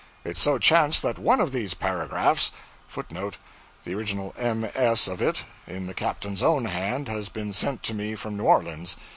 It so chanced that one of these paragraphs {footnote [The original MS. of it, in the captain's own hand, has been sent to me from New Orleans.